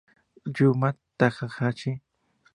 Yuma Takahashi